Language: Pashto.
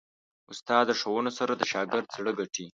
استاد د ښوونو سره د شاګرد زړه ګټي.